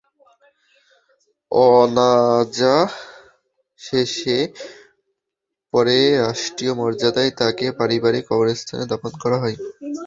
জানাজা শেষে পরে রাষ্ট্রীয় মর্যাদায় তাঁকে পারিবারিক কবরস্থানে দাফন করা হয়।